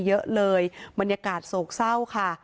เยอะเลยบรรยากาศโศกเศร้าค่ะ